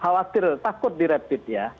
khawatir takut di rapid ya